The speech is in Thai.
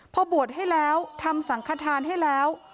พอบวชให้แล้วทำสังขทานให้แล้ว